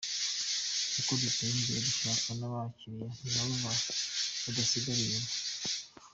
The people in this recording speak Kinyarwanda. Uko dutera imbere, dushaka ko n’abakiliya nabo badasigara inyuma.